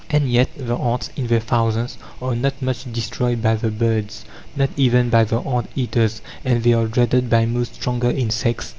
And yet the ants, in their thousands, are not much destroyed by the birds, not even by the ant eaters, and they are dreaded by most stronger insects.